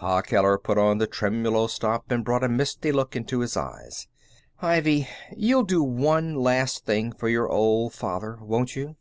Pa Keller put on the tremolo stop and brought a misty look into his eyes. "Ivy, you'll do one last thing for your old father, won't you?"